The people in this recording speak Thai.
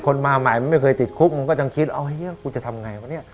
คนมาใหม่มันไม่เคยติดคุกมันก็ยังคิดเอาอย่างนี้กูจะทำไงวะเนี่ย